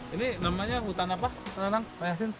ini namanya hutan apa yasin